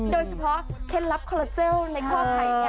โดยเฉพาะเคล็ดลับคอลลาเจลในข้อไทยเนี่ย